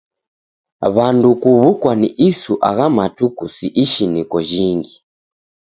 W'andu kuw'ukwa ni isu agha matuku si ishiniko jinghi.